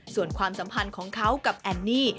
ส่วนความสัมพันธ์ของเขากับแอนนี่